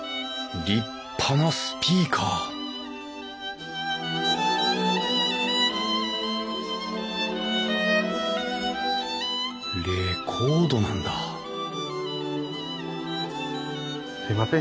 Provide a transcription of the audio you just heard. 立派なスピーカーレコードなんだすいません。